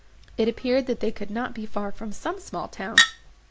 It appeared, that they could not be far from some small town.